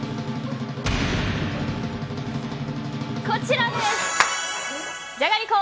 こちらです！